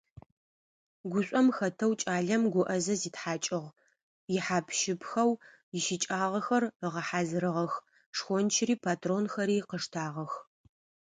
Гушӏом хэтэу кӏалэм гуӏэзэ зитхьакӏыгъ, ихьап-щыпыхэу ищыкӏагъэхэр ыгъэхьазырыгъэх, шхончыри патронхэри къыштагъэх.